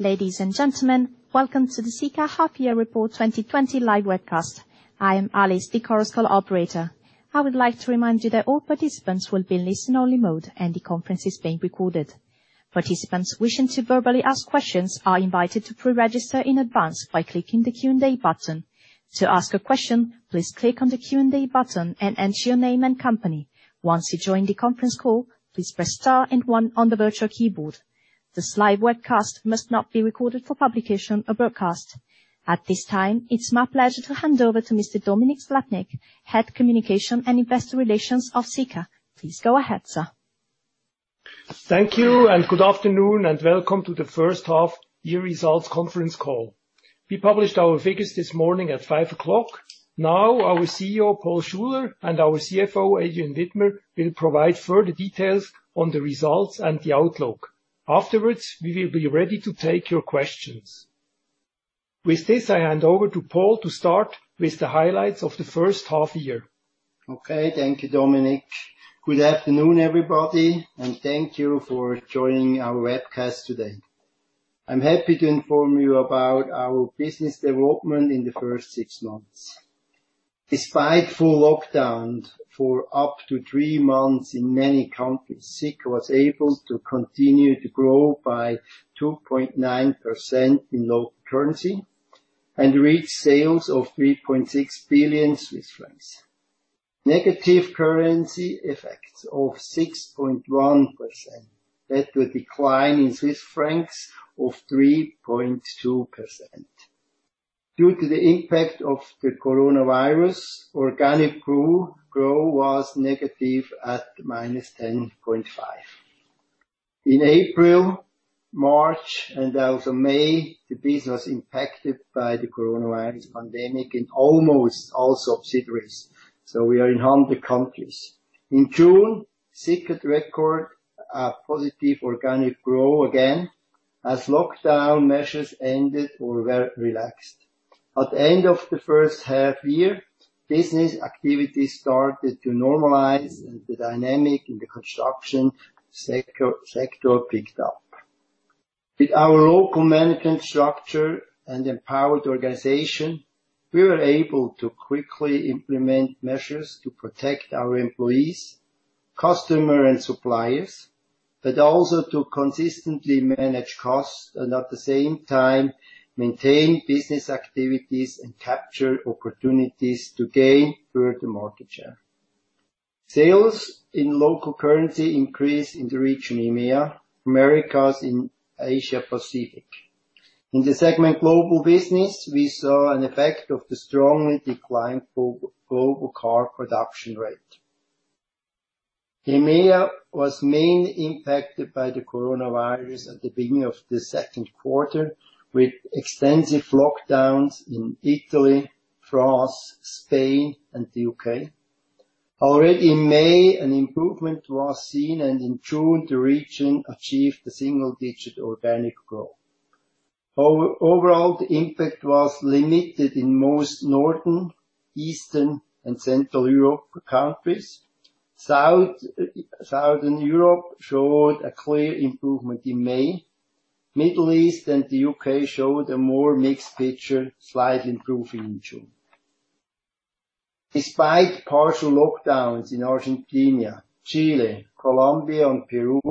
Ladies and gentlemen, welcome to the Sika Half Year Report 2020 live webcast. I am Alice, the conference call operator. I would like to remind you that all participants will be in listen-only mode, and the conference is being recorded. Participants wishing to verbally ask questions are invited to pre-register in advance by clicking the Q&A button. To ask a question, please click on the Q&A button and enter your name and company. Once you join the conference call, please press star and one on the virtual keyboard. This live webcast must not be recorded for publication or broadcast. At this time, it's my pleasure to hand over to Mr. Dominik Slappnig, Head of Communication and Investor Relations of Sika. Please go ahead, sir. Thank you, and good afternoon, and welcome to the first half year results conference call. We published our figures this morning at 5:00 A.M. Now, our CEO, Paul Schuler, and our CFO, Adrian Widmer, will provide further details on the results and the outlook. Afterwards, we will be ready to take your questions. With this, I hand over to Paul to start with the highlights of the first half year. Okay. Thank you, Dominik. Good afternoon, everybody, thank you for joining our webcast today. I'm happy to inform you about our business development in the first six months. Despite full lockdown for up to three months in many countries, Sika was able to continue to grow by 2.9% in local currency and reach sales of 3.6 billion Swiss francs. Negative currency effects of 6.1%, that the decline in CHF of 3.2%. Due to the impact of COVID-19, organic growth was negative at -10.5%. In April, March, and also May, the business impacted by the COVID-19 pandemic in almost all subsidiaries. We are in 100 countries. In June, Sika recorded a positive organic growth again, as lockdown measures ended or were relaxed. At the end of the first half year, business activities started to normalize, the dynamic in the construction sector picked up. With our local management structure and empowered organization, we were able to quickly implement measures to protect our employees, customer, and suppliers, but also to consistently manage costs and at the same time, maintain business activities and capture opportunities to gain further market share. Sales in local currency increased in the region EMEA, Americas, and Asia Pacific. In the segment Global Business, we saw an effect of the strongly declined global car production rate. EMEA was mainly impacted by the coronavirus at the beginning of the second quarter, with extensive lockdowns in Italy, France, Spain, and the U.K. Already in May, an improvement was seen, and in June, the region achieved a single-digit organic growth. Overall, the impact was limited in most Northern, Eastern, and Central Europe countries. Southern Europe showed a clear improvement in May. Middle East and the U.K. showed a more mixed picture, slightly improving in June. Despite partial lockdowns in Argentina, Chile, Colombia, and Peru,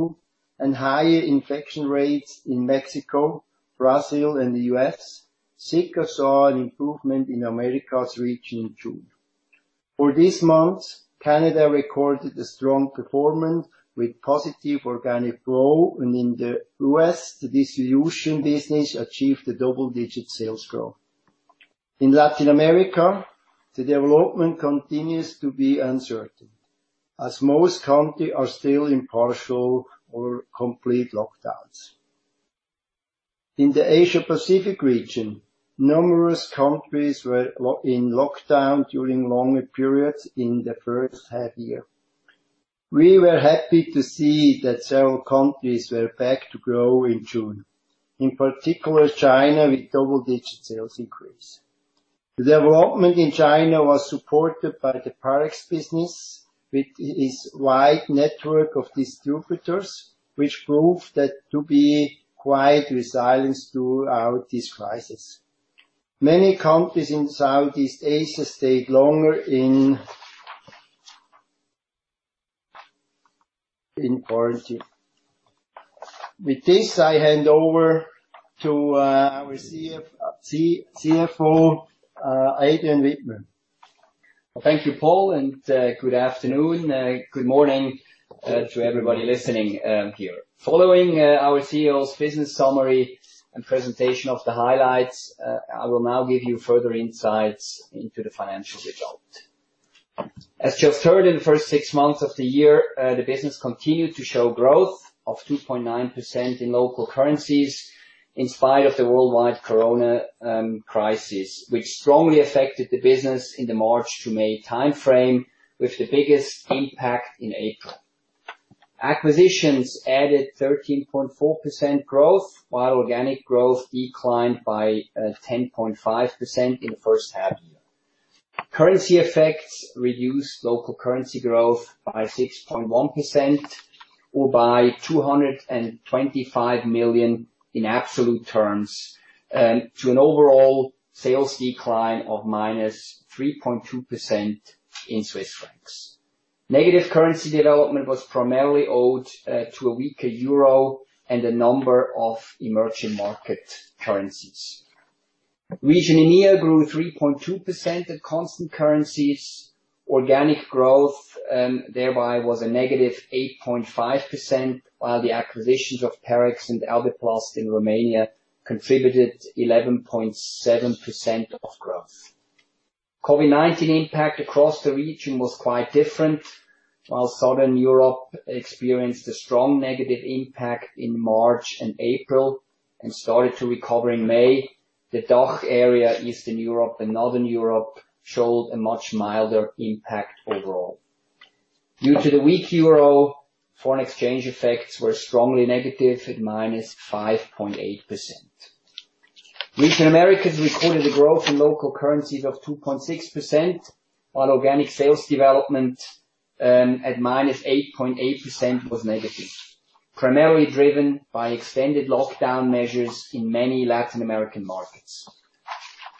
and higher infection rates in Mexico, Brazil, and the U.S., Sika saw an improvement in Americas region in June. For this month, Canada recorded a strong performance with positive organic growth, and in the U.S., the distribution business achieved a double-digit sales growth. In Latin America, the development continues to be uncertain, as most countries are still in partial or complete lockdowns. In the Asia Pacific region, numerous countries were in lockdown during longer periods in the first half year. We were happy to see that several countries were back to growth in June, in particular China, with double-digit sales increase. The development in China was supported by the products business, with its wide network of distributors, which proved that to be quite resilient throughout this crisis. Many countries in Southeast Asia stayed longer in quarantine. With this, I hand over to our CFO, Adrian Widmer. Thank you, Paul. Good afternoon. Good morning to everybody listening here. Following our CEO's business summary and presentation of the highlights, I will now give you further insights into the financial result. As you have heard, in the first six months of the year, the business continued to show growth of 2.9% in local currencies, in spite of the worldwide COVID-19 crisis, which strongly affected the business in the March to May timeframe, with the biggest impact in April. Acquisitions added 13.4% growth, while organic growth declined by 10.5% in the first half year. Currency effects reduced local currency growth by 6.1%, or by 225 million in absolute terms, to an overall sales decline of -3.2% in CHF. Negative currency development was primarily owed to a weaker EUR and a number of emerging market currencies. Region EMEA grew 3.2% at constant currencies. Organic growth, thereby, was a -8.5%, while the acquisitions of Parex and Adeplast in Romania contributed 11.7% of growth. COVID-19 impact across the region was quite different. While Southern Europe experienced a strong negative impact in March and April and started to recover in May, the DACH area, Eastern Europe, and Northern Europe showed a much milder impact overall. Due to the weak euro, foreign exchange effects were strongly negative at -5.8%. Region Americas recorded a growth in local currencies of 2.6%, while organic sales development at -8.8% was negative, primarily driven by extended lockdown measures in many Latin American markets.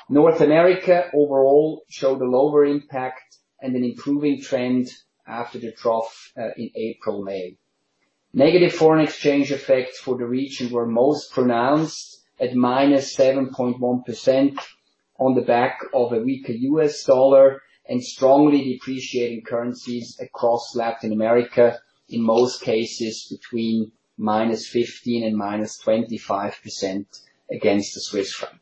North America overall showed a lower impact and an improving trend after the trough in April/May. Negative foreign exchange effects for the region were most pronounced at -7.1% on the back of a weaker US dollar and strongly depreciating currencies across Latin America, in most cases between -15% and -25% against the Swiss franc.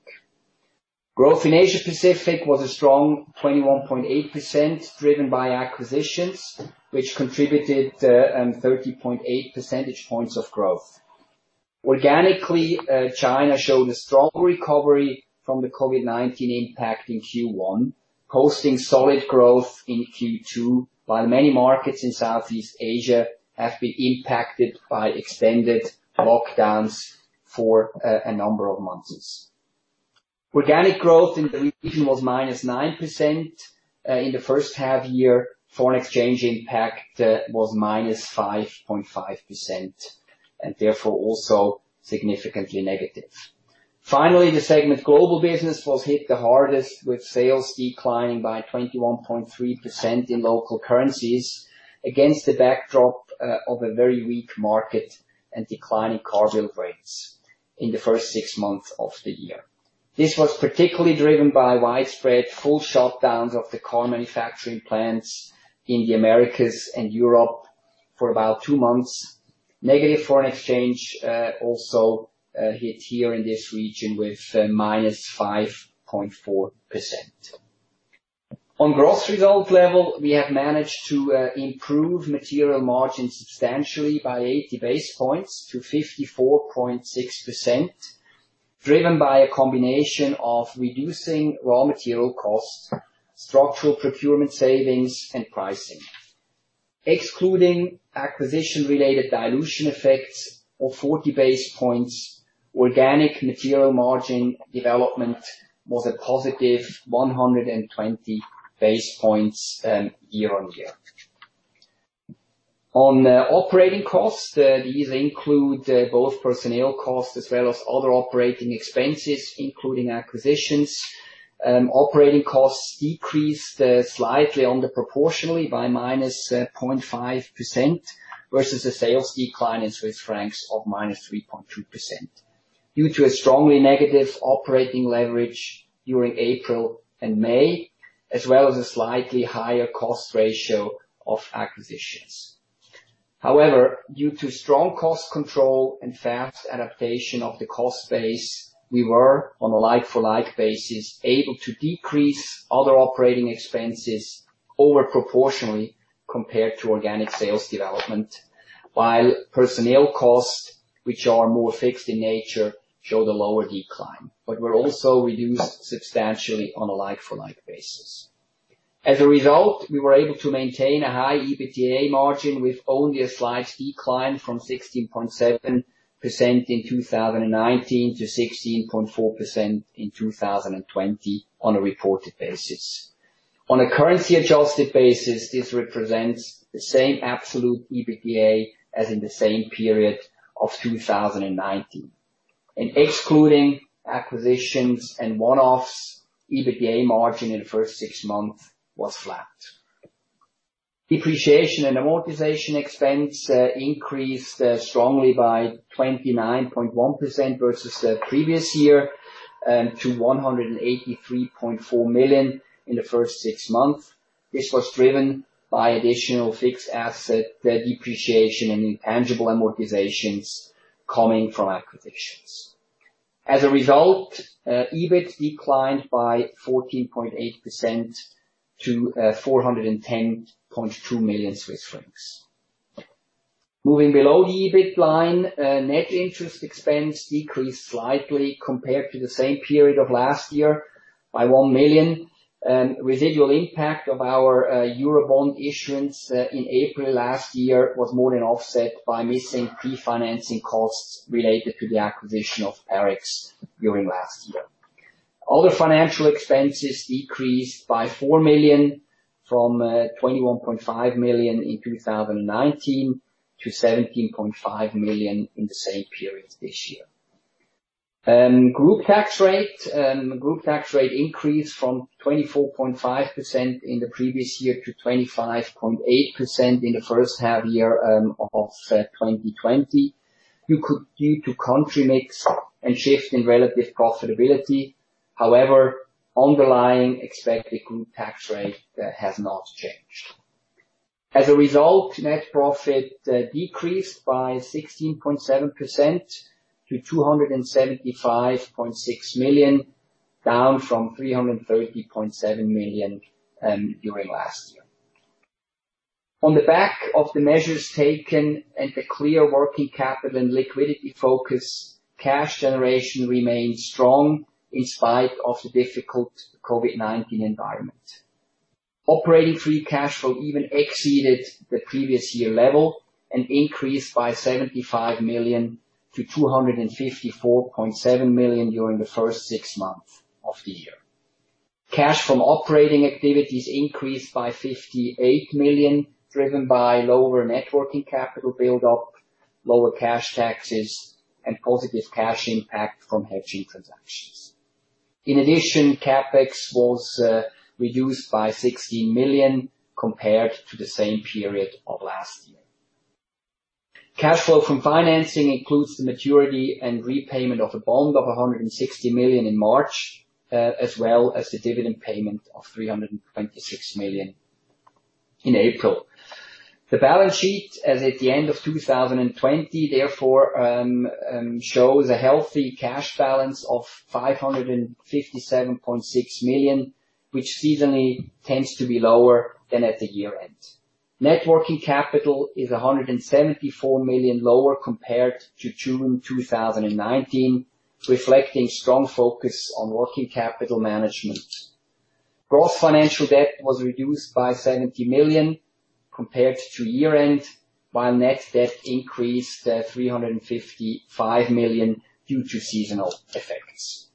Growth in Asia Pacific was a strong 21.8%, driven by acquisitions, which contributed 30.8 percentage points of growth. Organically, China showed a strong recovery from the COVID-19 impact in Q1, posting solid growth in Q2, while many markets in Southeast Asia have been impacted by extended lockdowns for a number of months. Organic growth in the region was -9% in the first half year. Foreign exchange impact was -5.5%, and therefore, also significantly negative. Finally, the segment Global Business was hit the hardest, with sales declining by 21.3% in local currencies against the backdrop of a very weak market and declining car build rates in the first six months of the year. This was particularly driven by widespread full shutdowns of the car manufacturing plants in the Americas and Europe for about two months. Negative foreign exchange also hit here in this region with -5.4%. On gross result level, we have managed to improve material margin substantially by 80 basis points to 54.6%, driven by a combination of reducing raw material costs, structural procurement savings, and pricing. Excluding acquisition-related dilution effects of 40 basis points, organic material margin development was a positive 120 basis points year-on-year. On operating costs, these include both personnel costs as well as other operating expenses, including acquisitions. Operating costs decreased slightly under proportionally by -0.5% versus a sales decline in Swiss francs of -3.2%, due to a strongly negative operating leverage during April and May, as well as a slightly higher cost ratio of acquisitions. However, due to strong cost control and fast adaptation of the cost base, we were, on a like-for-like basis, able to decrease other operating expenses over proportionally compared to organic sales development, while personnel costs, which are more fixed in nature, show the lower decline, but were also reduced substantially on a like-for-like basis. As a result, we were able to maintain a high EBITDA margin with only a slight decline from 16.7% in 2019 to 16.4% in 2020 on a reported basis. On a currency adjusted basis, this represents the same absolute EBITDA as in the same period of 2019. Excluding acquisitions and one-offs, EBITDA margin in the first six months was flat. Depreciation and amortization expense increased strongly by 29.1% versus the previous year to 183.4 million in the first six months. This was driven by additional fixed asset depreciation and intangible amortizations coming from acquisitions. As a result, EBIT declined by 14.8% to 410.2 million Swiss francs. Moving below the EBIT line, net interest expense decreased slightly compared to the same period of last year by one million. Residual impact of our Eurobond issuance in April last year was more than offset by missing pre-financing costs related to the acquisition of Parex during last year. Other financial expenses decreased by four million from 21.5 million CHF in 2019 to 17.5 million CHF in the same period this year. Group tax rate increased from 24.5% in the previous year to 25.8% in the first half year of 2020, due to country mix and shift in relative profitability. However, underlying expected group tax rate has not changed. As a result, net profit decreased by 16.7% to 275.6 million CHF, down from 330.7 million CHF during last year. On the back of the measures taken and the clear working capital and liquidity focus, cash generation remained strong in spite of the difficult COVID-19 environment. Operating free cash flow even exceeded the previous year level, and increased by 75 million to 254.7 million during the first six months of the year. Cash from operating activities increased by 58 million, driven by lower networking capital build-up, lower cash taxes, and positive cash impact from hedging transactions. In addition, CapEx was reduced by 16 million compared to the same period of last year. Cash flow from financing includes the maturity and repayment of a bond of 160 million in March, as well as the dividend payment of 326 million in April. The balance sheet as at the end of 2020, therefore shows a healthy cash balance of 557.6 million, which seasonally tends to be lower than at the year-end. Net working capital is 174 million lower compared to June 2019, reflecting strong focus on working capital management. Gross financial debt was reduced by 70 million compared to year-end, while net debt increased 355 million due to seasonal effects.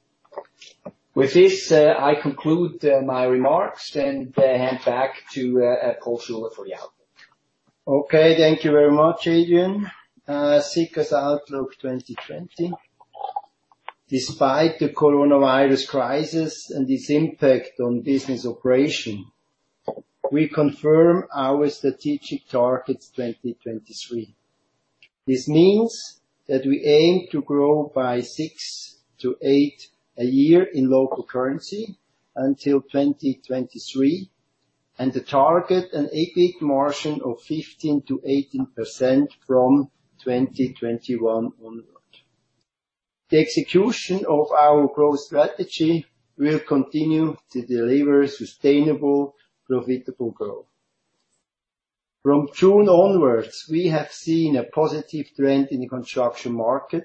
With this, I conclude my remarks, and hand back to Paul Schuler for the outlook. Thank you very much, Adrian. Sika's outlook 2020. Despite the coronavirus crisis and its impact on business operation, we confirm our strategic targets 2023. This means that we aim to grow by 6%-8% a year in local currency until 2023, and to target an EBIT margin of 15%-18% from 2021 onwards. The execution of our growth strategy will continue to deliver sustainable, profitable growth. From June onwards, we have seen a positive trend in the construction market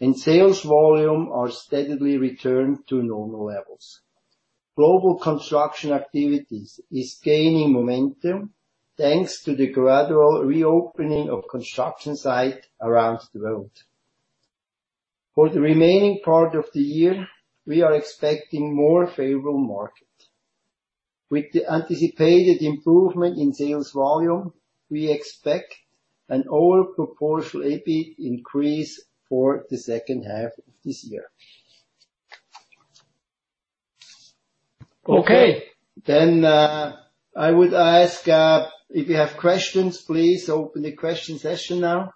and sales volume are steadily returned to normal levels. Global construction activities is gaining momentum, thanks to the gradual reopening of construction site around the world. For the remaining part of the year, we are expecting more favorable market. With the anticipated improvement in sales volume, we expect an overall proportional EBIT increase for the second half of this year. Okay. I would ask, if you have questions, please open the question session now.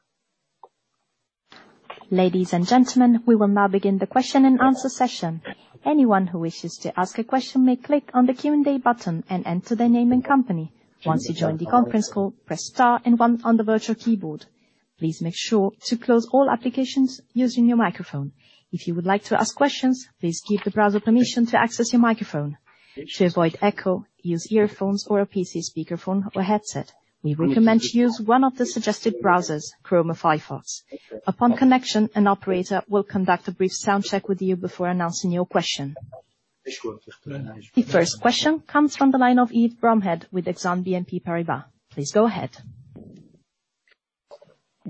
Ladies and gentlemen, we will now begin the question and answer session. Anyone who wishes to ask a question may click on the Q&A button and enter their name and company. Once you join the conference call, press star and one on the virtual keyboard. Please make sure to close all applications using your microphone. If you would like to ask questions, please give the browser permission to access your microphone. To avoid echo, use earphones or a PC speakerphone or headset. We recommend to use one of the suggested browsers, Chrome or Firefox. Upon connection, an operator will conduct a brief sound check with you before announcing your question. The first question comes from the line of Yassine Touahri with Exane BNP Paribas. Please go ahead.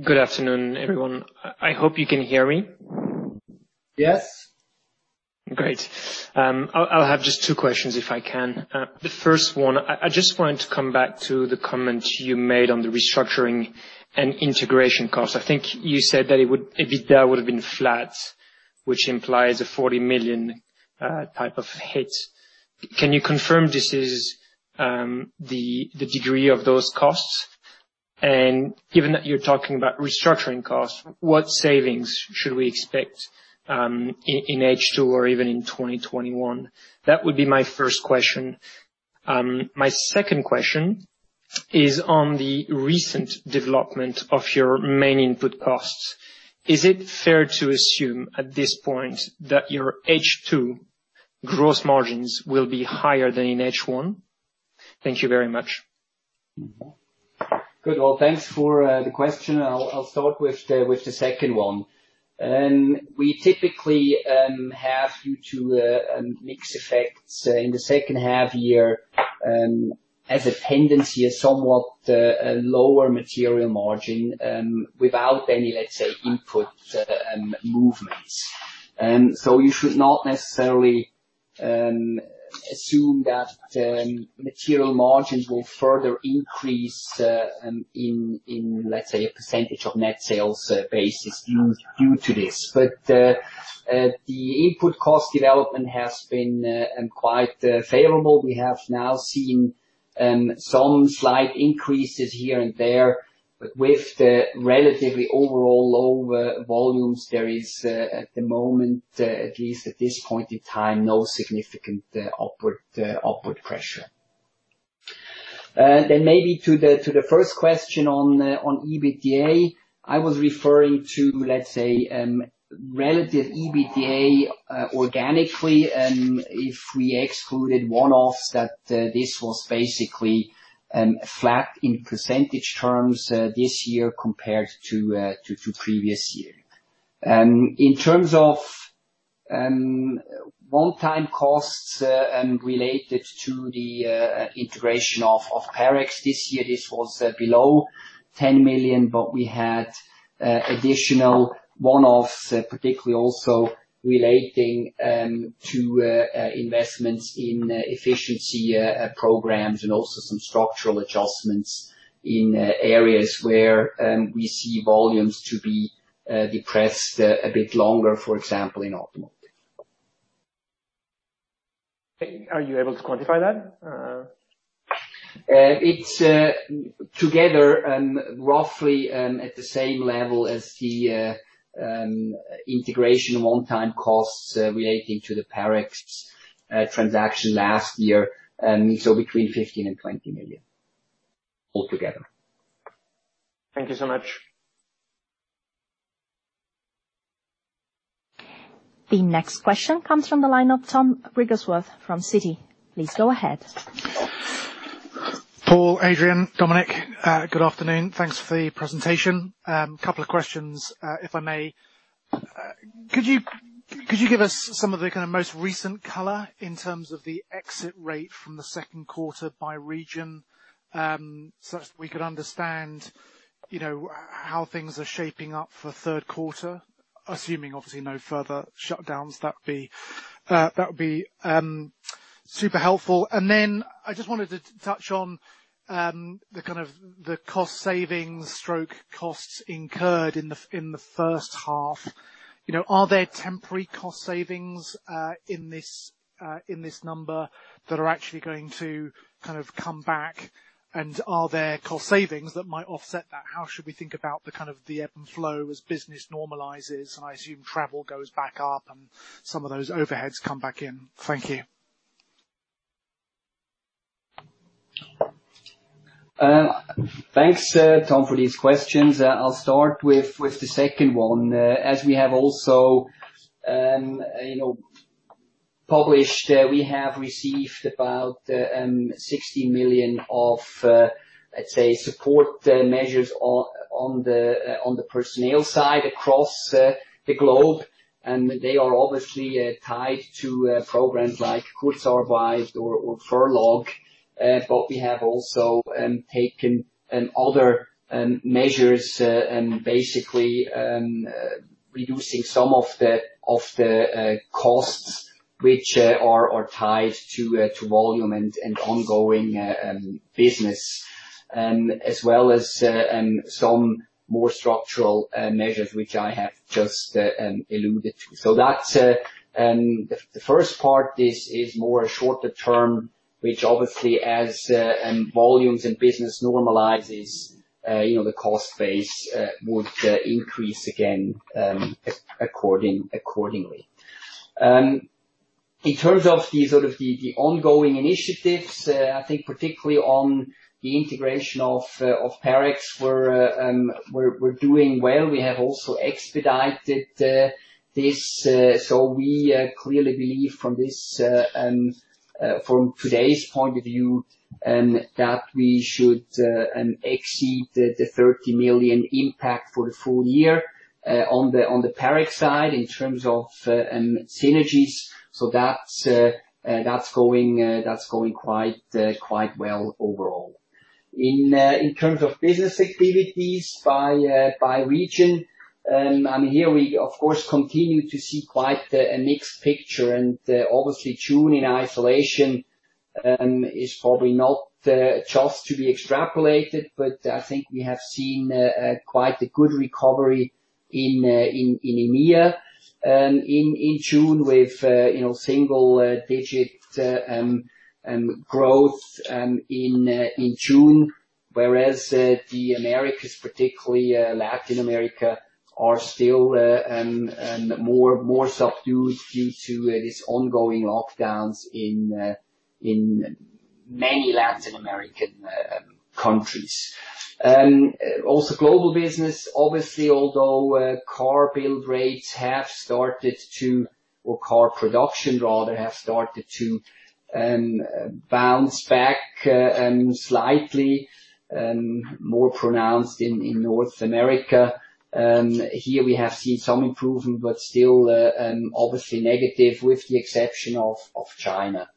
Good afternoon, everyone. I hope you can hear me. Yes. Great. I'll have just two questions if I can. The first one, I just wanted to come back to the comment you made on the restructuring and integration cost. I think you said that EBITDA would've been flat, which implies a 40 million type of hit. Can you confirm this is the degree of those costs? Given that you're talking about restructuring costs, what savings should we expect, in H2 or even in 2021? That would be my first question. My second question is on the recent development of your main input costs. Is it fair to assume at this point that your H2 gross margins will be higher than in H1? Thank you very much. Well, thanks for the question, and I'll start with the second one. We typically have, due to mix effects in the second half year, as a tendency, a somewhat lower material margin without any input movements. You should not necessarily assume that material margins will further increase in a percentage of net sales basis due to this. The input cost development has been quite favorable. We have now seen some slight increases here and there, but with the relatively overall low volumes, there is, at the moment, at least at this point in time, no significant upward pressure. Maybe to the first question on EBITDA, I was referring to relative EBITDA organically, if we excluded one-offs that this was basically flat in percentage terms this year compared to previous year. In terms of one-time costs related to the integration of Parex this year, this was below 10 million. We had additional one-off, particularly also relating to investments in efficiency programs and also some structural adjustments in areas where we see volumes to be depressed a bit longer, for example, in automotive. Are you able to quantify that? It's together roughly at the same level as the integration one-time costs relating to the Parex transaction last year, so between 15 million and 20 million altogether. Thank you so much. The next question comes from the line of Tom Wrigglesworth from Citi. Please go ahead. Paul, Adrian, Dominik, good afternoon. Thanks for the presentation. Couple of questions, if I may. Could you give us some of the most recent color in terms of the exit rate from the second quarter by region, such that we could understand how things are shaping up for third quarter, assuming obviously no further shutdowns? That would be super helpful. Then I just wanted to touch on the cost savings/costs incurred in the first half. Are there temporary cost savings in this number that are actually going to come back, and are there cost savings that might offset that? How should we think about the ebb and flow as business normalizes, and I assume travel goes back up and some of those overheads come back in? Thank you. Thanks, Tom, for these questions. I'll start with the second one. As we have also published, we have received about 16 million of, let's say, support measures on the personnel side across the globe. They are obviously tied to programs like Kurzarbeit or furlough. We have also taken other measures, basically reducing some of the costs which are tied to volume and ongoing business, as well as some more structural measures, which I have just alluded to. That's the first part. This is more a shorter term, which obviously as volumes and business normalizes the cost base would increase again accordingly. In terms of the ongoing initiatives, I think particularly on the integration of Parex, we're doing well. We have also expedited this, so we clearly believe from today's point of view, that we should exceed the 30 million impact for the full- year on the Parex side in terms of synergies. That's going quite well overall. In terms of business activities by region, here we, of course, continue to see quite a mixed picture, and obviously June in isolation is probably not just to be extrapolated, but I think we have seen quite a good recovery in EMEA in June with single-digit growth in June. Whereas the Americas, particularly Latin America, are still more subdued due to these ongoing lockdowns in many Latin American countries. Global Business, obviously, although car build rates or car production rather, have started to bounce back slightly more pronounced in North America. Here we have seen some improvement, but still obviously negative with the exception of China.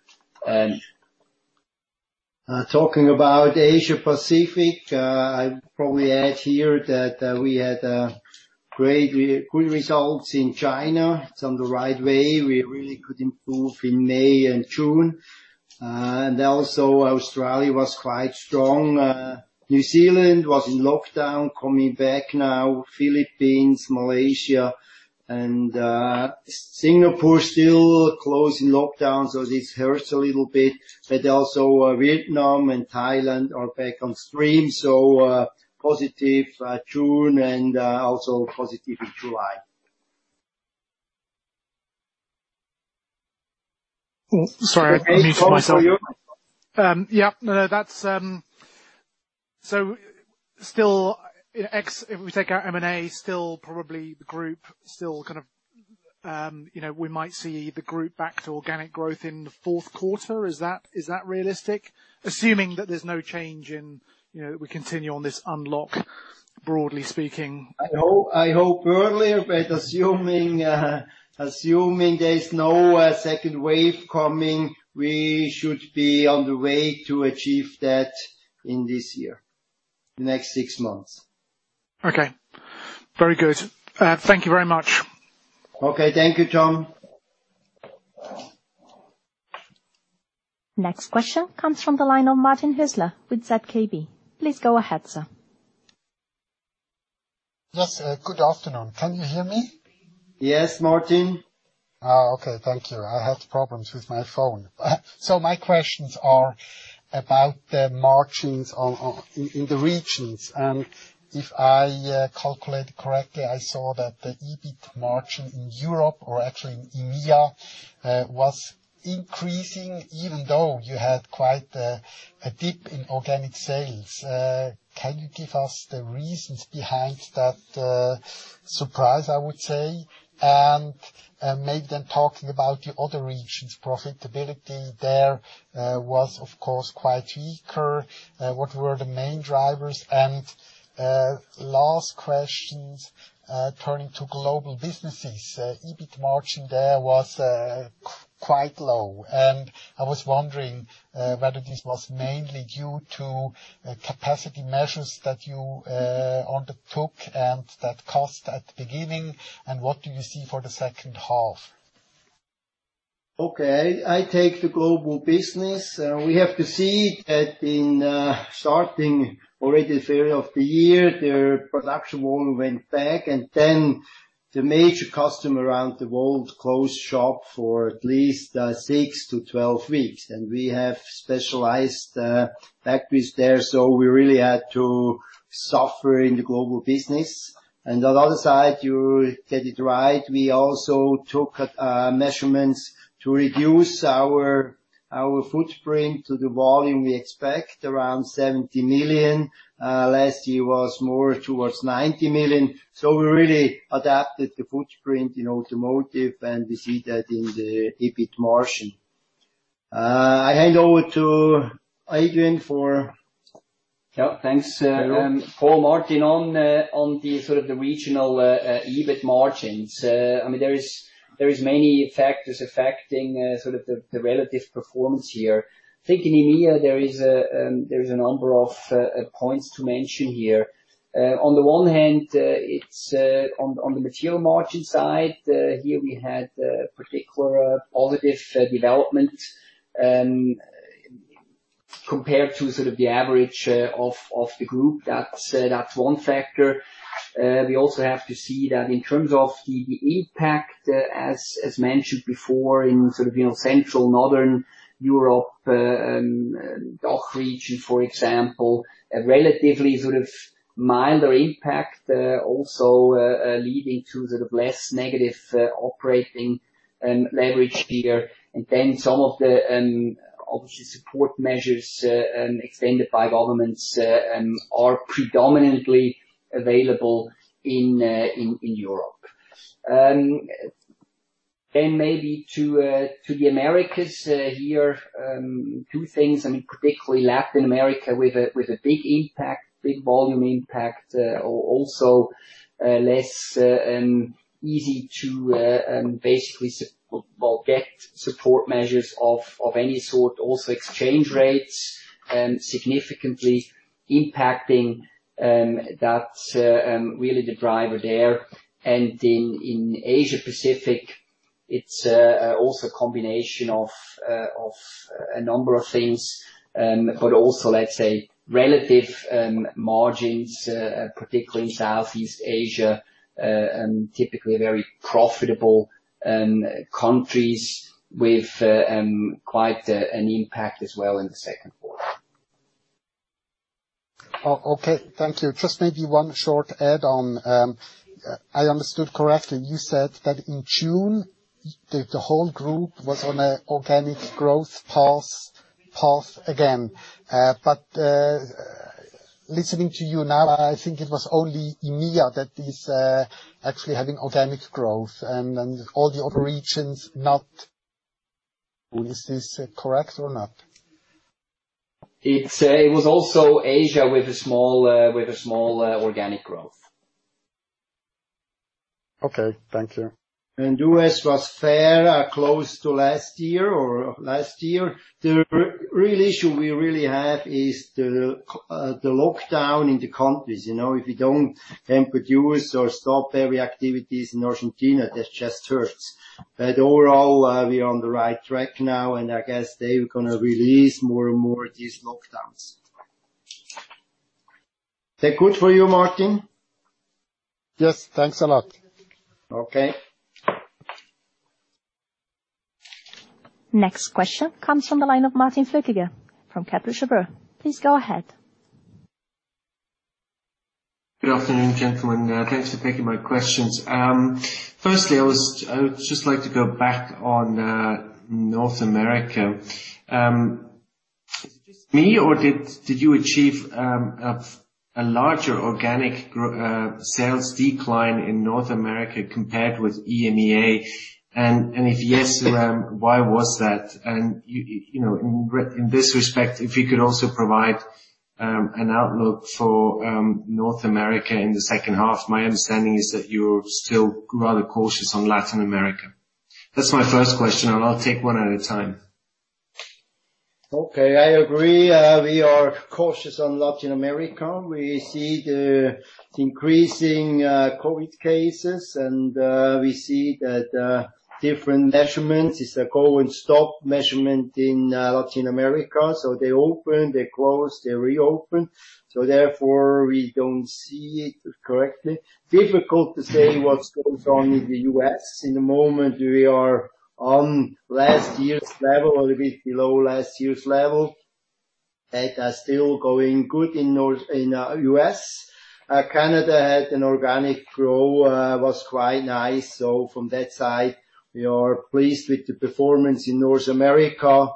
Talking about Asia Pacific, I'd probably add here that we had great good results in China. It's on the right way. We really could improve in May and June. Also Australia was quite strong. New Zealand was in lockdown coming back now, Philippines, Malaysia, and Singapore still closed in lockdown, so this hurts a little bit. Also Vietnam and Thailand are back on stream. Positive June and also positive in July. Sorry, I've muted myself. Still if we take out M&A, still probably the group still we might see the group back to organic growth in the fourth quarter. Is that realistic, assuming that there's no change, we continue on this unlock broadly speaking? I hope earlier, but assuming there is no second wave coming, we should be on the way to achieve that in this year, the next six months. Okay. Very good. Thank you very much. Okay. Thank you, Tom. Next question comes from the line of Martin Hüsler with ZKB. Please go ahead, sir. Yes. Good afternoon. Can you hear me? Yes, Martin. Okay. Thank you. I had problems with my phone. My questions are about the margins in the regions. If I calculate correctly, I saw that the EBIT margin in Europe or actually in EMEA, was increasing even though you had quite a dip in organic sales. Can you give us the reasons behind that surprise, I would say? Maybe talking about the other regions profitability there, was of course quite weaker, what were the main drivers? Last questions, turning to global businesses. EBIT margin there was quite low, and I was wondering whether this was mainly due to capacity measures that you undertook and that cost at the beginning, and what do you see for the second half? Okay. I take the Global Business. We have to see that in starting already the beginning of the year, their production volume went back, and then the major customer around the world closed shop for at least 6-12 weeks. And we have specialized factories there, so we really had to suffer in the Global Business. On the other side, you get it right, we also took measurements to reduce our footprint to the volume we expect, around 70 million. Last year was more towards 90 million. We really adapted the footprint in automotive, and we see that in the EBIT margin. I hand over to Adrian for- Yeah, thanks. For Martin on the sort of the regional EBIT margins. There are many factors affecting sort of the relative performance here. Thinking EMEA, there are a number of points to mention here. On the one hand, it's on the material margin side. Here we had a particular positive development compared to sort of the average of the group. That's one factor. We also have to see that in terms of the impact, as mentioned before, in sort of Central Northern Europe, DACH region, for example, a relatively sort of milder impact also leading to sort of less negative operating leverage here. Some of the obviously support measures extended by governments are predominantly available in Europe. Maybe to the Americas, here two things, I mean particularly Latin America with a big volume impact, also less easy to basically get support measures of any sort, also exchange rates significantly impacting that really the driver there. In Asia Pacific, it's also a combination of a number of things. Also, let's say relative margins, particularly in Southeast Asia, and typically very profitable countries with quite an impact as well in the second quarter. Okay, thank you. Just maybe one short add-on. I understood correctly, you said that in June, the whole group was on an organic growth path again. Listening to you now, I think it was only EMEA that is actually having organic growth, and all the other regions not. Is this correct or not? It was also Asia with a small organic growth. Okay, thank you. U.S. was fair, close to last year. The real issue we really have is the lockdown in the countries. If we don't then produce or stop every activities in Argentina, that just hurts. Overall, we are on the right track now. I guess they are going to release more and more these lockdowns. That good for you, Martin? Yes. Thanks a lot. Okay. Next question comes from the line of Martin Flueckiger from Credit Suisse. Please go ahead. Good afternoon, gentlemen. Thanks for taking my questions. Firstly, I would just like to go back on North America. Is it just me or did you achieve a larger organic sales decline in North America compared with EMEA? If yes, why was that? In this respect, if you could also provide an outlook for North America in the second half. My understanding is that you're still rather cautious on Latin America. That's my first question, and I'll take one at a time. Okay. I agree, we are cautious on Latin America. We see the increasing COVID cases, and we see that different measurements. It's a go and stop measurement in Latin America. They open, they close, they reopen. Therefore, we don't see it correctly. Difficult to say what's going on in the U.S. In the moment, we are on last year's level, a little bit below last year's level, are still going good in U.S. Canada had an organic grow, was quite nice. From that side, we are pleased with the performance in North America.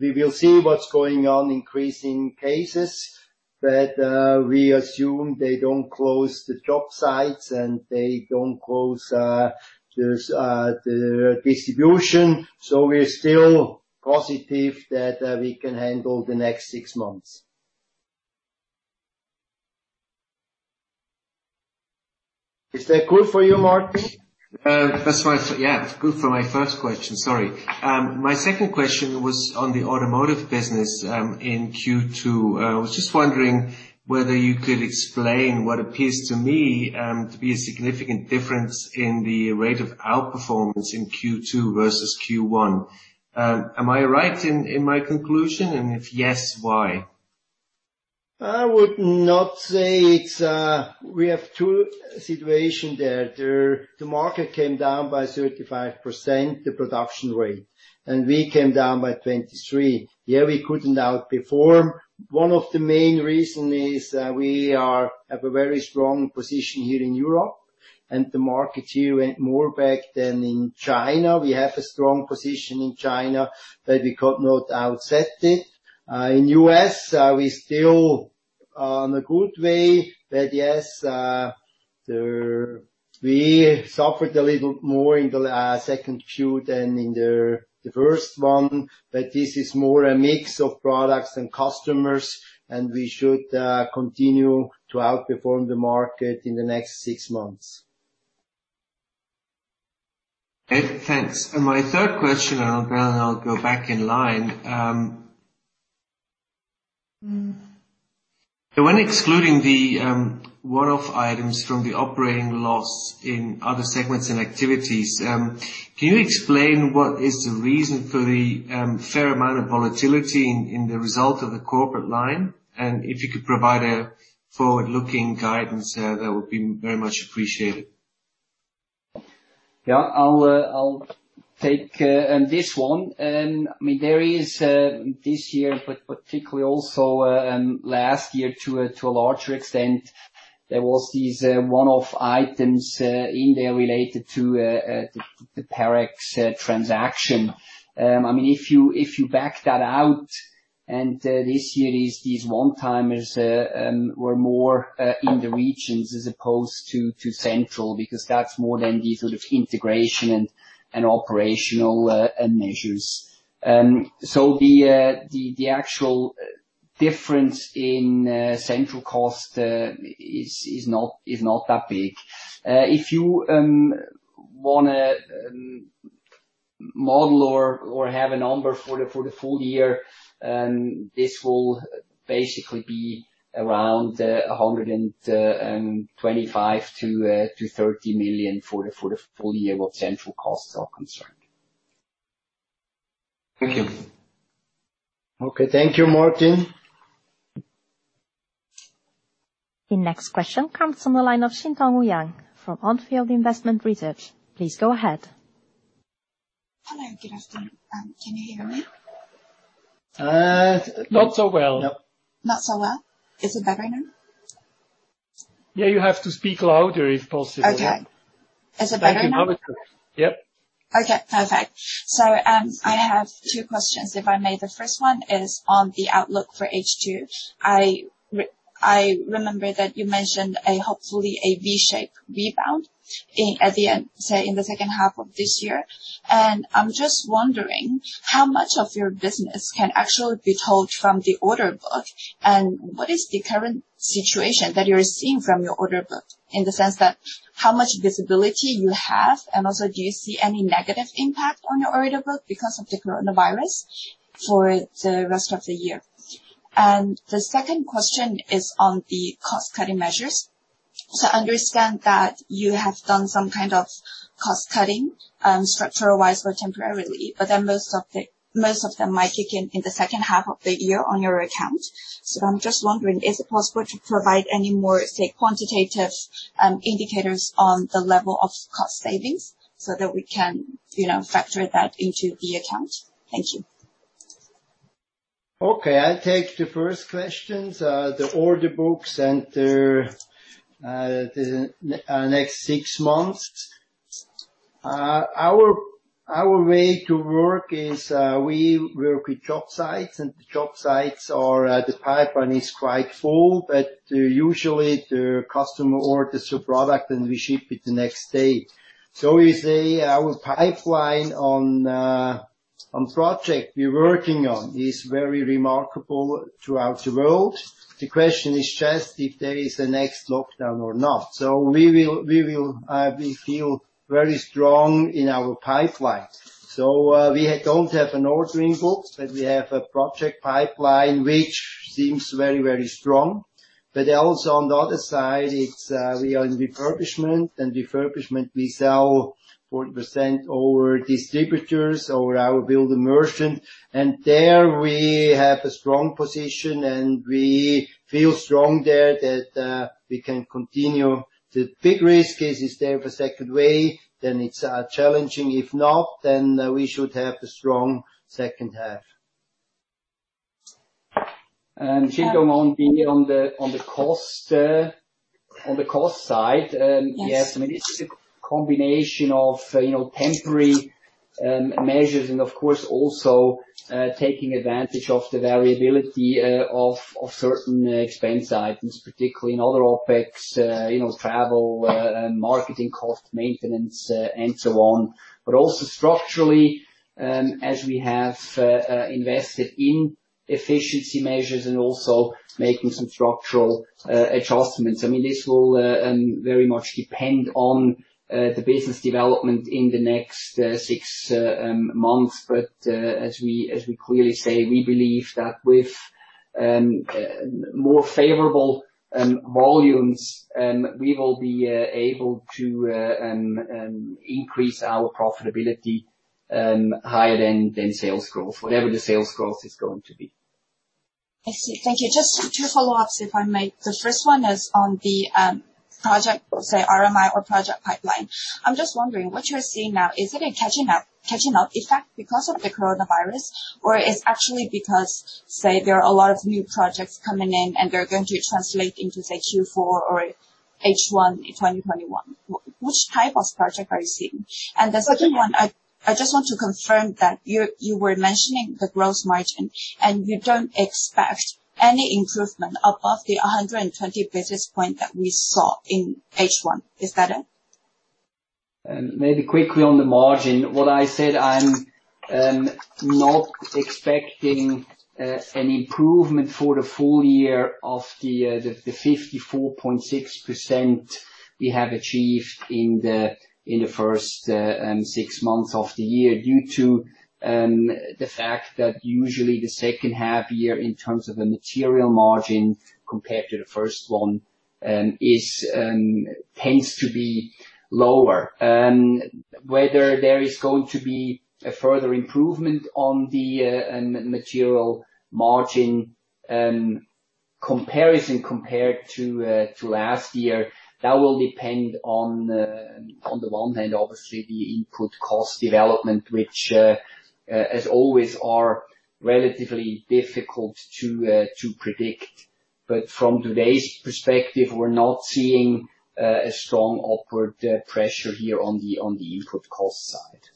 We will see what's going on, increasing cases. We assume they don't close the job sites, and they don't close the distribution. We're still positive that we can handle the next six months. Is that good for you, Martin? That's fine. Yeah. Good for my first question. Sorry. My second question was on the automotive business, in Q2. I was just wondering whether you could explain what appears to me to be a significant difference in the rate of outperformance in Q2 versus Q1. Am I right in my conclusion? If yes, why? We have two situation there. The market came down by 35%, the production rate. We came down by 23. We couldn't outperform. One of the main reason is, we have a very strong position here in Europe, and the market here went more back than in China. We have a strong position in China that we could not offset it. In U.S., we still on a good way. Yes, we suffered a little more in the second Q than in the first one. This is more a mix of products than customers, and we should continue to outperform the market in the next six months. Okay, thanks. My third question, then I'll go back in line. When excluding the one-off items from the operating loss in other segments and activities, can you explain what is the reason for the fair amount of volatility in the result of the corporate line? If you could provide a forward-looking guidance, that would be very much appreciated. I'll take this one. There is, this year, but particularly also last year to a larger extent, there were these one-off items in there related to the Parex transaction. If you back that out, and this year these one-timers were more in the regions as opposed to central, because that's more than the sort of integration and operational measures. The actual difference in central cost is not that big. If you want to model or have a number for the full- year, this will basically be around 125 million-30 million for the full- year where central costs are concerned. Thank you. Okay. Thank you, Martin. The next question comes from the line of Xintong Liang from On Field Investment Research. Please go ahead. Yeah, good afternoon. Can you hear me? Not so well. No. Not so well. Is it better now? Yeah, you have to speak louder if possible. Okay. Is it better now? Yep. Okay, perfect. I have two questions if I may. The first one is on the outlook for H2. I remember that you mentioned hopefully a V-shaped rebound, say, in the second half of this year. I'm just wondering how much of your business can actually be told from the order book, and what is the current situation that you're seeing from your order book, in the sense that how much visibility you have, and also do you see any negative impact on your order book because of the coronavirus for the rest of the year? The second question is on the cost-cutting measures. I understand that you have done some kind of cost cutting, structural-wise or temporarily, but then most of them might kick in in the second half of the year on your account. I'm just wondering, is it possible to provide any more, say, quantitative indicators on the level of cost savings so that we can factor that into the account? Thank you. Okay, I'll take the first questions. The order books and the next six months. Our way to work is we work with job sites, and the job sites or the pipeline is quite full, but usually the customer orders a product and we ship it the next day. You say our pipeline on project we're working on is very remarkable throughout the world. The question is just if there is a next lockdown or not. We feel very strong in our pipeline. We don't have an ordering book, but we have a project pipeline, which seems very strong. Also on the other side, we are in refurbishment. Refurbishment, we sell 40% over distributors, over our build merchant. There we have a strong position, and we feel strong there that we can continue. The big risk is there a second wave, then it's challenging. If not, we should have a strong second half. Xintong on the cost side. Yes. It's a combination of temporary measures and of course also taking advantage of the variability of certain expense items, particularly in other OPEX, travel, marketing cost, maintenance, and so on. Also structurally, as we have invested in efficiency measures and also making some structural adjustments. This will very much depend on the business development in the next six months. As we clearly say, we believe that with more favorable volumes, we will be able to increase our profitability higher than sales growth, whatever the sales growth is going to be. I see. Thank you. Just two follow-ups, if I may. The first one is on the project, say, RMI or project pipeline. I'm just wondering, what you're seeing now, is it a catching-up effect because of the coronavirus, or it's actually because, say, there are a lot of new projects coming in and they're going to translate into, say, Q4 or H1 in 2021? Which type of project are you seeing? The second one, I just want to confirm that you were mentioning the gross margin, and you don't expect any improvement above the 120 basis point that we saw in H1. Is that it? Maybe quickly on the margin. What I said, I'm not expecting an improvement for the full- year of the 54.6% we have achieved in the first six months of the year due to the fact that usually the second half year in terms of the material margin compared to the first one tends to be lower. Whether there is going to be a further improvement on the material margin comparison compared to last year, that will depend on the one hand, obviously, the input cost development, which as always, are relatively difficult to predict. From today's perspective, we're not seeing a strong upward pressure here on the input cost side.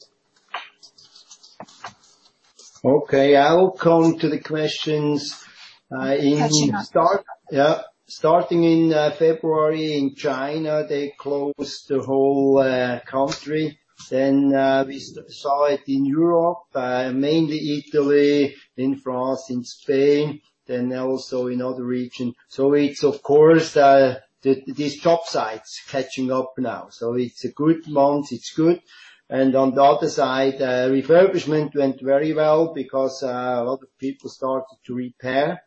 Okay, I will come to the questions. Catching up. Yeah. Starting in February in China, they closed the whole country. We saw it in Europe, mainly Italy, in France, in Spain, then also in other regions. It's of course, these job sites catching up now. It's a good month, it's good. On the other side, refurbishment went very well because a lot of people started to repair.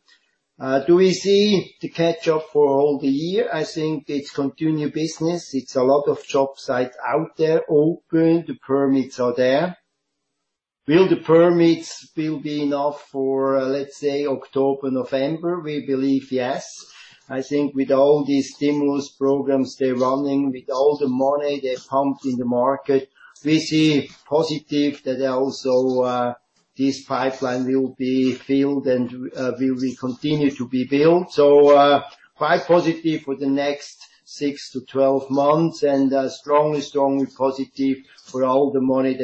Do we see the catch-up for all the year? I think it's continued business. It's a lot of job sites out there open. The permits are there. Will the permits be enough for, let's say, October, November? We believe yes. I think with all these stimulus programs they're running, with all the money they pumped in the market, we see positive that also this pipeline will be filled and will continue to be built. Quite positive for the next six to 12 months and strongly positive for all the money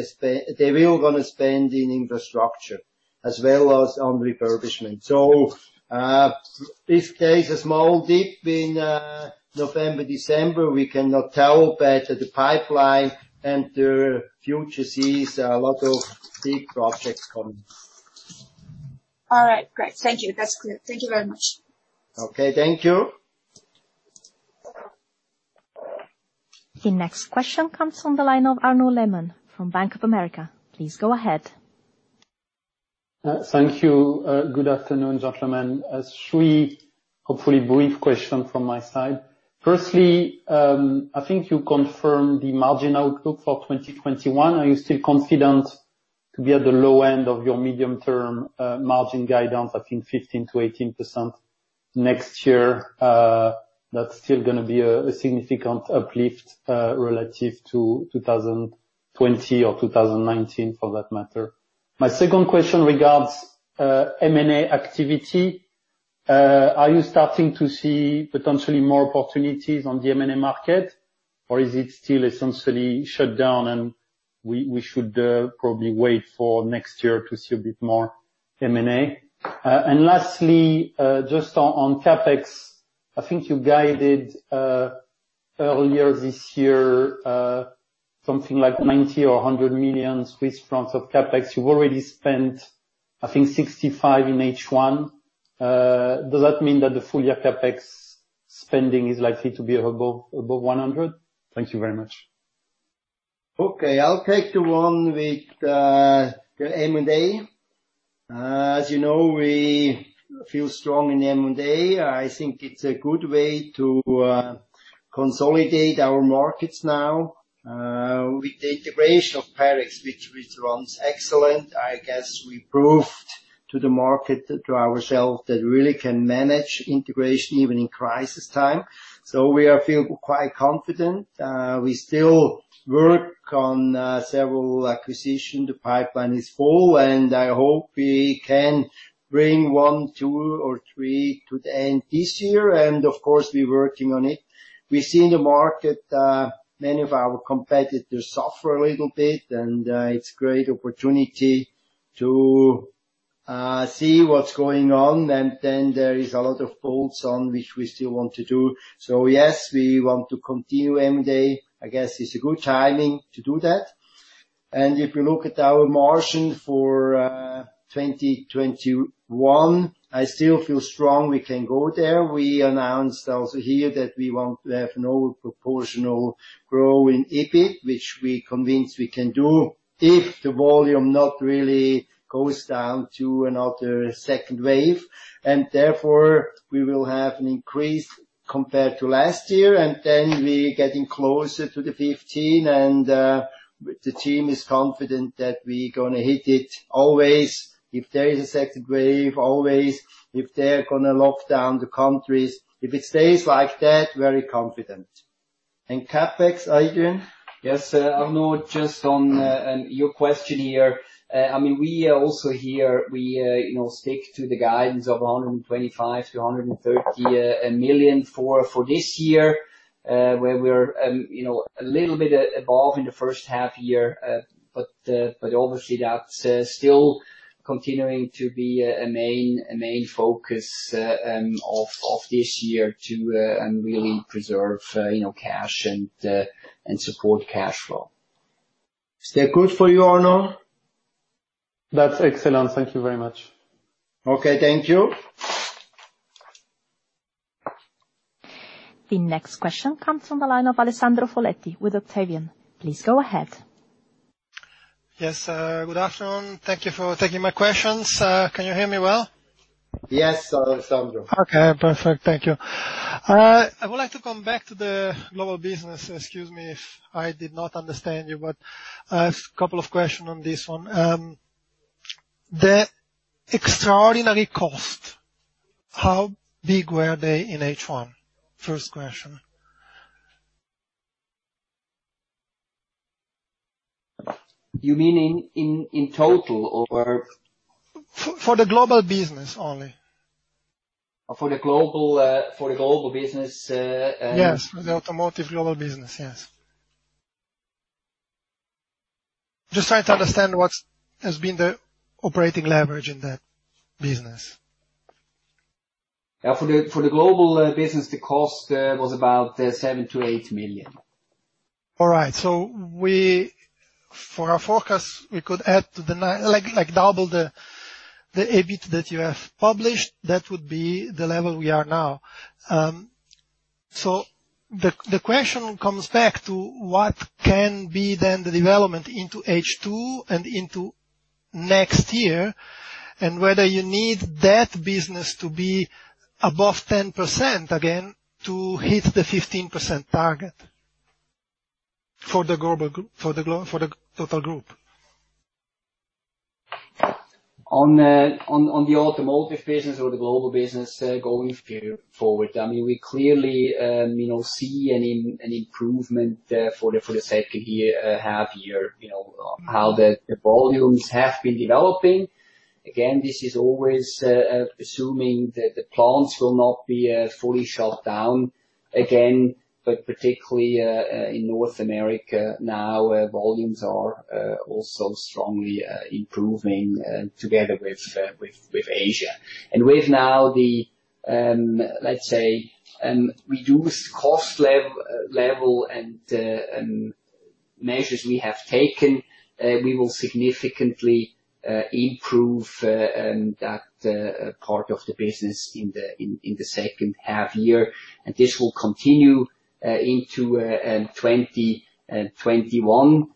they will going to spend in infrastructure, as well as on refurbishment. If there is a small dip in November, December, we cannot tell, but the pipeline and the future sees a lot of big projects coming. All right. Great. Thank you. That's clear. Thank you very much. Okay, thank you. The next question comes from the line of Arnaud Lehmann from Bank of America. Please go ahead. Thank you. Good afternoon, gentlemen. three, hopefully brief question from my side. Firstly, I think you confirmed the margin outlook for 2021. Are you still confident to be at the low end of your medium-term margin guidance, I think 15%-18% next year? That's still going to be a significant uplift relative to 2020 or 2019 for that matter. My second question regards M&A activity. Are you starting to see potentially more opportunities on the M&A market, or is it still essentially shut down, and we should probably wait for next year to see a bit more M&A? Lastly, just on CapEx, I think you guided earlier this year something like 90 million or 100 million Swiss francs of CapEx. You've already spent, I think 65 in H1. Does that mean that the full- year CapEx spending is likely to be above 100? Thank you very much. I'll take the one with the M&A. As you know, we feel strong in M&A. I think it's a good way to consolidate our markets now, with the integration of Parex, which runs excellent. I guess we proved to the market, to ourselves that really can manage integration even in crisis time. We are feeling quite confident. We still work on several acquisition. The pipeline is full, I hope we can bring one, two, or three to the end this year. Of course, we working on it. We see in the market, many of our competitors suffer a little bit, it's great opportunity to see what's going on. There is a lot of bolt-ons which we still want to do. Yes, we want to continue M&A. I guess it's a good timing to do that. If you look at our margin for 2021, I still feel strong we can go there. We announced also here that we want to have no proportional grow in EBIT, which we convince we can do if the volume not really goes down to another second wave. Therefore, we will have an increase compared to last year. Then we getting closer to the 15%, and the team is confident that we going to hit it. Always if there is a second wave, always if they're going to lock down the countries. If it stays like that, very confident. CapEx, Eugen? Yes. Arnaud, just on your question here. We also here, we stick to the guidance of 125 million-130 million for this year, where we're a little bit above in the first half year. Obviously, that's still continuing to be a main focus of this year to really preserve cash and support cash flow. Is that good for you, Arnaud? That's excellent. Thank you very much. Okay, thank you. The next question comes from the line of Alessandro Folletti with Octavian. Please go ahead. Yes. Good afternoon. Thank you for taking my questions. Can you hear me well? Yes, Alessandro. Okay, perfect. Thank you. I would like to come back to the Global Business. Excuse me if I did not understand you, a couple of question on this one. The extraordinary cost, how big were they in H1? First question. You mean in total or? For the Global Business only. For the Global Business. Yes. For the automotive Global Business, yes. Just trying to understand what has been the operating leverage in that business. For the Global Business, the cost was about 7 million-8 million. All right. For our forecast, we could add to the double the EBIT that you have published. That would be the level we are now. The question comes back to what can be then the development into H2 and into next year, and whether you need that business to be above 10% again to hit the 15% target for the total group. On the automotive business or the Global Business going forward, we clearly see an improvement for the second half year, how the volumes have been developing. This is always assuming that the plants will not be fully shut down again, particularly in North America now, volumes are also strongly improving together with Asia. With now the, let's say, reduced cost level and measures we have taken, we will significantly improve that part of the business in the second half year. This will continue into 2021.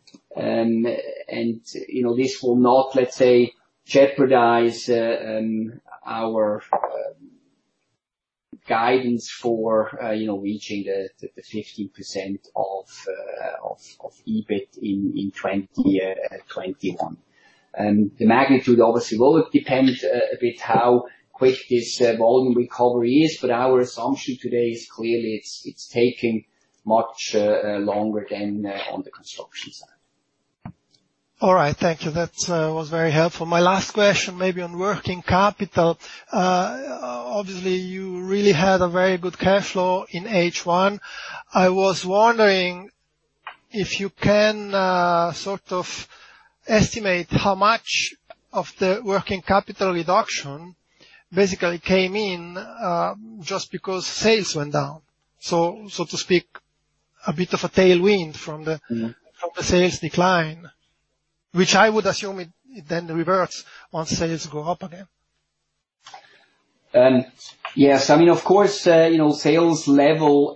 This will not, let's say, jeopardize our guidance for reaching the 15% of EBIT in 2021. The magnitude obviously will depend a bit how quick this volume recovery is, our assumption today is clearly it's taking much longer than on the construction side. All right. Thank you. That was very helpful. My last question maybe on working capital. Obviously, you really had a very good cash flow in H1. I was wondering if you can sort of estimate how much of the working capital reduction basically came in, just because sales went down. from the sales decline, which I would assume it then reverts once sales go up again. Of course, sales level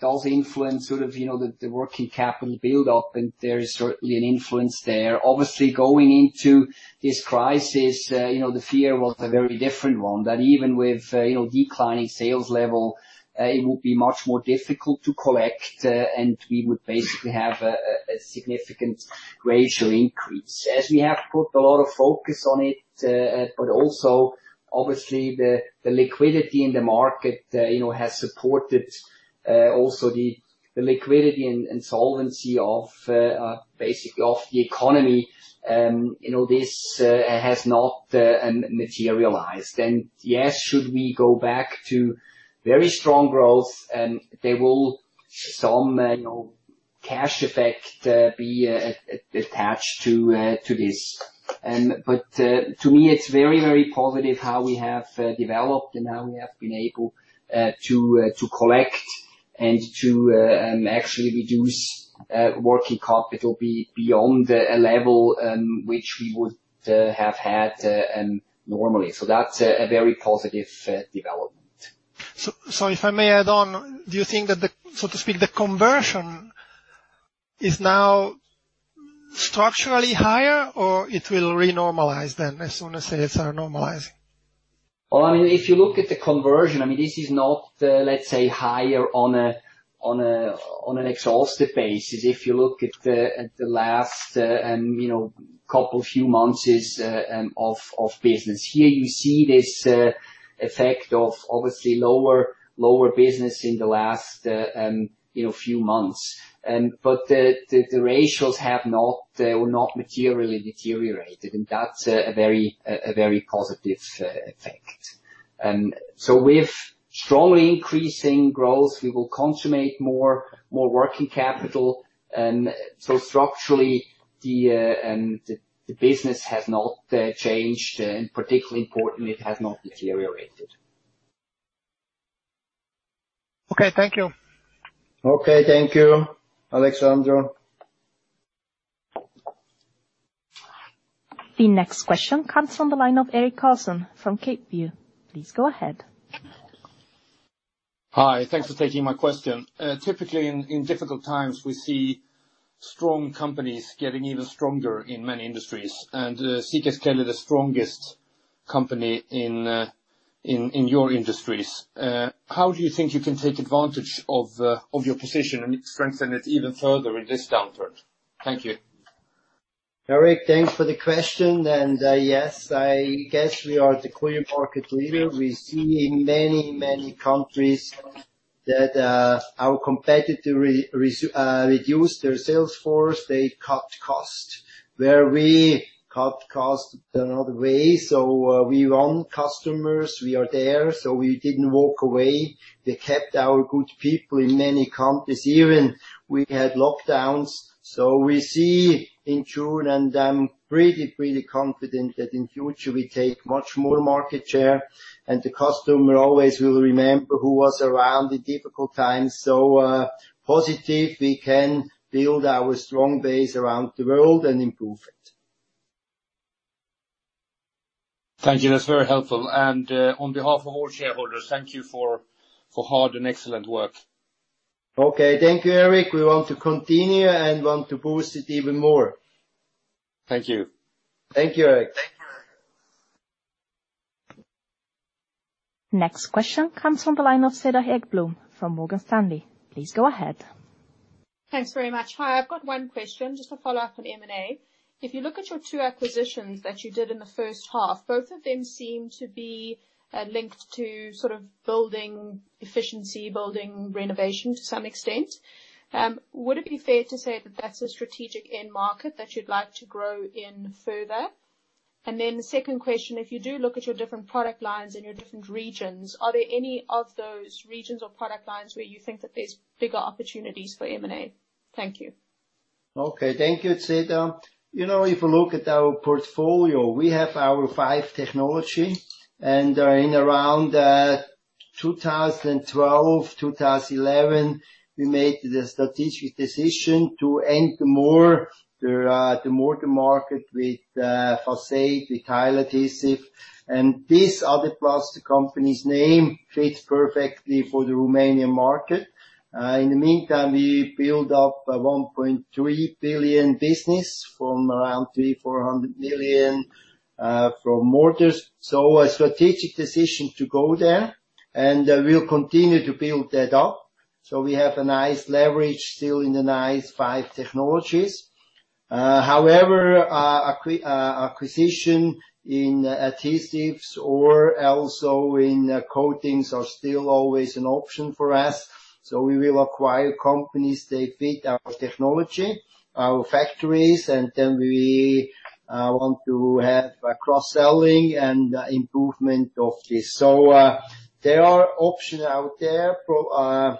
does influence sort of the working capital build-up, and there is certainly an influence there. Going into this crisis, the fear was a very different one. That even with declining sales level, it would be much more difficult to collect, and we would basically have a significant ratio increase. We have put a lot of focus on it, also obviously the liquidity in the market has supported also the liquidity and solvency of basically of the economy, this has not materialized. Yes, should we go back to very strong growth, there will some cash effect be attached to this. To me, it's very, very positive how we have developed and how we have been able to collect and to actually reduce working capital beyond a level which we would have had normally. That's a very positive development. If I may add on, do you think that, so to speak, the conversion is now structurally higher or it will re-normalize then as soon as sales are normalizing? If you look at the conversion, this is not, let's say, higher on an exhausted basis. If you look at the last couple few months of business. Here you see this effect of obviously lower business in the last few months. The ratios have not materially deteriorated, and that's a very positive effect. With strongly increasing growth, we will consummate more working capital. Structurally, the business has not changed, and particularly importantly, it has not deteriorated. Okay. Thank you. Okay. Thank you, Alessandro. The next question comes from the line of Erik Carlson from Capeview. Please go ahead. Hi. Thanks for taking my question. Typically, in difficult times, we see strong companies getting even stronger in many industries. Sika is clearly the strongest company in your industries. How do you think you can take advantage of your position and strengthen it even further in this downturn? Thank you. Erik, thanks for the question. Yes, I guess we are the clear market leader. We see in many countries that our competitor reduced their sales force. They cut cost. Where we cut cost another way. We won customers. We are there, so we didn't walk away. We kept our good people in many countries, even we had lockdowns. We see in June, and I'm pretty confident that in future we take much more market share, and the customer always will remember who was around in difficult times. Positive we can build our strong base around the world and improve it. Thank you. That's very helpful. On behalf of all shareholders, thank you for hard and excellent work. Okay. Thank you, Erik. We want to continue and want to boost it even more. Thank you. Thank you, Erik. Next question comes from the line of Cedar Ekblom from Morgan Stanley. Please go ahead. Thanks very much. Hi, I've got one question, just to follow up on M&A. If you look at your two acquisitions that you did in the first half, both of them seem to be linked to building efficiency, building renovation, to some extent. Would it be fair to say that that's a strategic end market that you'd like to grow in further? Then the second question, if you do look at your different product lines in your different regions, are there any of those regions or product lines where you think that there's bigger opportunities for M&A? Thank you. Okay. Thank you, Cedar. If you look at our portfolio, we have our five technologies. In around 2012, 2011, we made the strategic decision to enter more the mortar market with facade, with tile adhesive. This other cluster company's name fits perfectly for the Romanian market. In the meantime, we build up a 1.3 billion business from around 3, 400 million from mortars. A strategic decision to go there, and we'll continue to build that up. We have a nice leverage still in the nice five technologies. However, acquisition in adhesives or also in coatings are still always an option for us. We will acquire companies, they fit our technology, our factories, and then we want to have a cross-selling and improvement of this. There are options out there for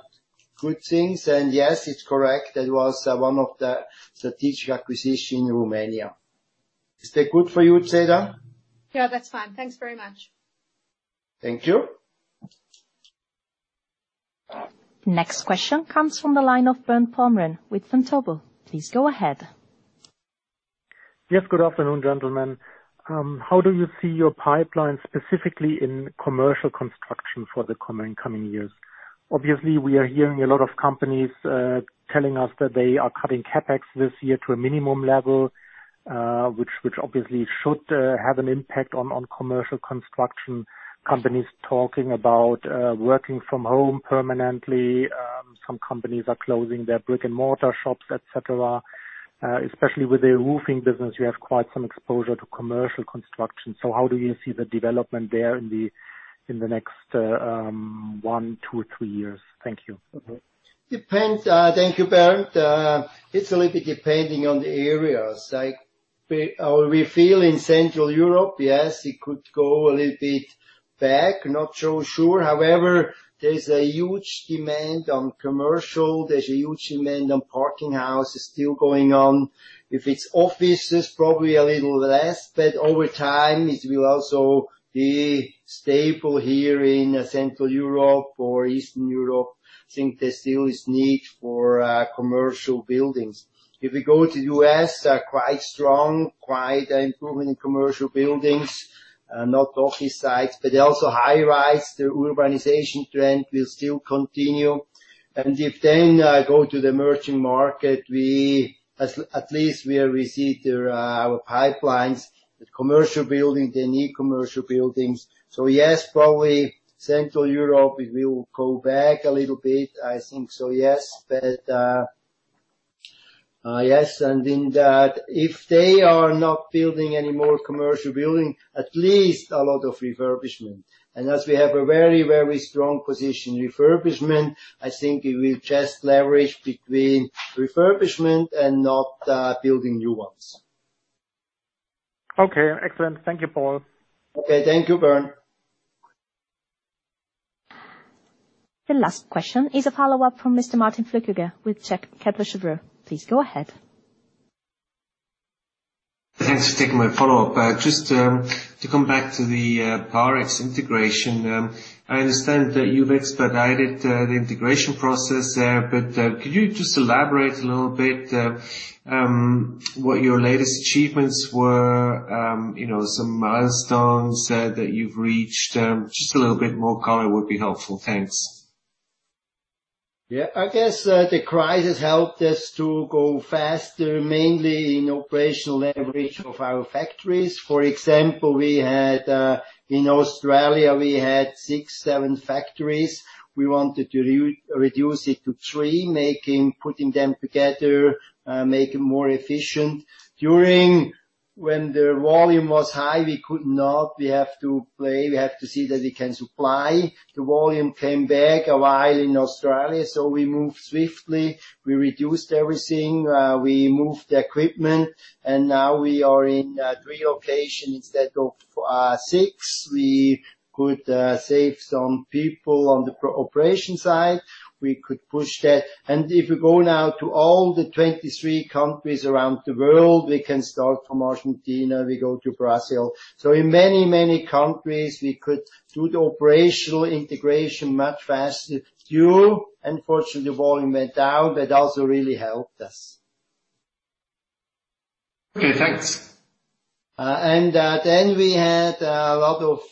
good things. Yes, it's correct, that was one of the strategic acquisition in Romania. Is that good for you, Cedar? Yeah, that's fine. Thanks very much. Thank you. Next question comes from the line of Bernd Palmen with Vontobel. Please go ahead. Yes, good afternoon, gentlemen. How do you see your pipeline specifically in commercial construction for the coming years? Obviously, we are hearing a lot of companies telling us that they are cutting CapEx this year to a minimum level, which obviously should have an an impact on commercial construction. Companies talking about working from home permanently. Some companies are closing their brick and mortar shops, et cetera. Especially with the roofing business, you have quite some exposure to commercial construction. How do you see the development there in the next one, two, three years? Thank you. Depends. Thank you, Bernd. It's a little bit depending on the areas. Like we feel in Central Europe, yes, it could go a little bit back. Not so sure. However, there's a huge demand on commercial. There's a huge demand on parking houses still going on. If it's offices, probably a little less. Over time, it will also be stable here in Central Europe or Eastern Europe. I think there still is need for commercial buildings. If we go to U.S., quite strong, quite improvement in commercial buildings, not office sites. Also high rise, the urbanization trend will still continue. If then go to the emerging market, at least we see our pipelines, the commercial building, they need commercial buildings. Yes, probably Central Europe, it will go back a little bit, I think so, yes. In that, if they are not building any more commercial building, at least a lot of refurbishment. As we have a very strong position in refurbishment, I think it will just leverage between refurbishment and not building new ones. Okay, excellent. Thank you, Paul. Okay. Thank you, Bernd. The last question is a follow-up from Mr. Martin Flückiger with Jefferies. Please go ahead. Thanks for taking my follow-up. Just to come back to the Parex integration. I understand that you've expedited the integration process, but could you just elaborate a little bit, what your latest achievements were, some milestones that you've reached? Just a little bit more color would be helpful. Thanks. Yeah. I guess the crisis helped us to go faster, mainly in operational leverage of our factories. For example, in Australia, we had 6, 7 factories. We wanted to reduce it to 3, putting them together, make it more efficient. During when the volume was high, we could not. We have to play, we have to see that we can supply. The volume came back a while in Australia, we moved swiftly. We reduced everything. We moved the equipment, now we are in 3 locations instead of 6. We could save some people on the operation side. We could push that. If we go now to all the 23 countries around the world, we can start from Argentina, we go to Brazil. In many, many countries, we could do the operational integration much faster. Few, unfortunately, volume went down. That also really helped us. Okay, thanks. We had a lot of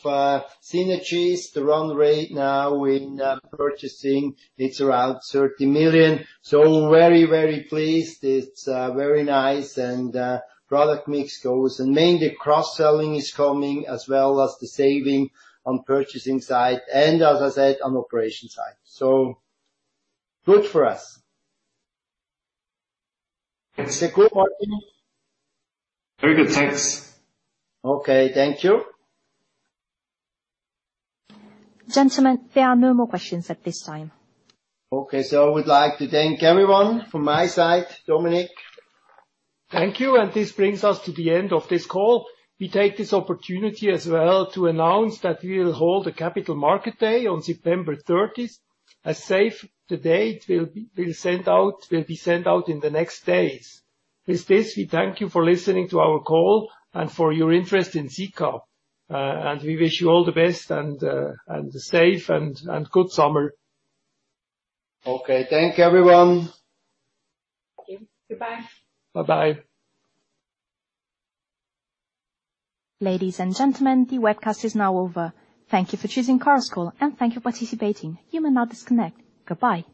synergies. The run rate now in purchasing, it's around 30 million. Very pleased. It's very nice, and product mix goes. Mainly cross-selling is coming, as well as the saving on purchasing side. As I said, on operation side. Good for us. Is that good, Martin? Very good. Thanks. Okay. Thank you. Gentlemen, there are no more questions at this time. Okay. I would like to thank everyone from my side. Dominik? Thank you. This brings us to the end of this call. We take this opportunity as well to announce that we will hold a Capital Market Day on September 30th, as safe. The date will be sent out in the next days. With this, we thank you for listening to our call and for your interest in Sika. We wish you all the best and a safe and good summer. Okay. Thank you, everyone. Thank you. Goodbye. Bye-bye. Ladies and gentlemen, the webcast is now over. Thank you for choosing Chorus Call, and thank you for participating. You may now disconnect. Goodbye.